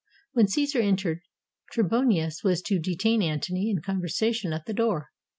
When Caesar entered, Trebonius was to detain Antony in conversation at the door.